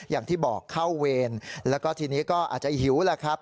อย่างที่บอกเข้าเวรแล้วก็ทีนี้ก็อาจจะหิวแหละครับ